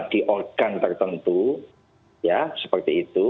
di organ tertentu ya seperti itu